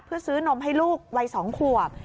เพื่อซื้อนมให้ลูกวัย๒ขวบ